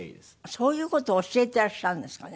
そういう事を教えてらっしゃるんですかね？